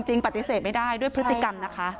ปฏิเสธไม่ได้ด้วยพฤติกรรมนะคะ